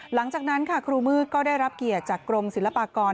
หลังจากนั้นค่ะครูมืดก็ได้รับเกียรติจากกรมศิลปากร